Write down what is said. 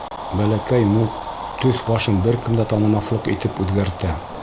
Бәләкәй Мук төҫ-башын бер кем дә танымаҫлыҡ итеп үҙгәртә.